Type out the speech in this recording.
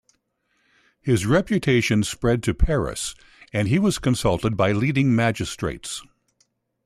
His reputation spread to Paris and he was consulted by leading magistrates.